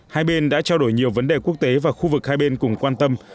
hai bên đã trao đổi nhiều vấn đề quốc tế và khu vực hai bên cùng quan tâm